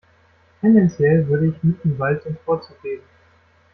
Tendenziell würde ich Mittenwald den Vorzug geben.